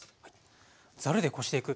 ザルでこしていく。